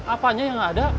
apanya yang gak ada